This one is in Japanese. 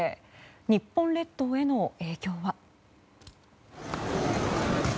日本列島への影響は。